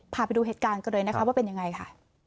พาไปดูเหตุการณ์กันเลยนะคะว่าเป็นยังไงค่ะ